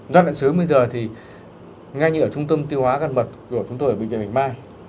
giai đoạn sớm bây giờ thì ngay như ở trung tâm tiêu hóa gân mật của chúng tôi ở bệnh viện bình mai